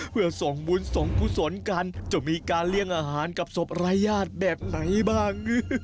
เพื่อส่งบุญส่งกุศลกันจะมีการเลี่ยงอาหารกับศพรายญาติแบบไหนบ้าง